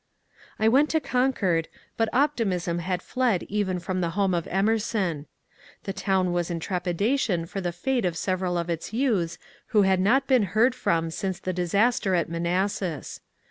I went to Concord, but optimism had fled even from the home of Emerson. The town was in trepidation for the fate of several of its youths who had not been heard from since the disaster at Manassas.